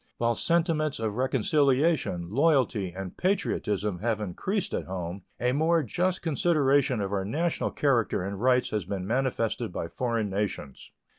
While sentiments of reconciliation, loyalty, and patriotism have increased at home, a more just consideration of our national character and rights has been manifested by foreign nations.